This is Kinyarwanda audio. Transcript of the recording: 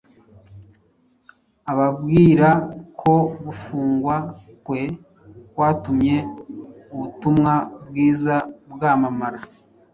ababwira ko gufungwa kwe kwatumye ubutumwa bwiza bwamamara.